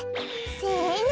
せの！